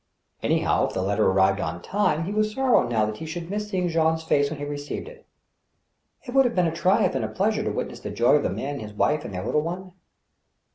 Anyhow if the letter arrived on time, he was sorry now that he should miss seeing Jean's face when he received it. It would have been a triumph and a pleasure to witness the joy of the man and his wife and their little one.